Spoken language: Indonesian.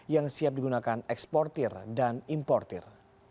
yang siap digunakan eksportir dan importir